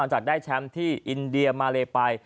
จากได้แชมป์ที่อินเดียมาเลไป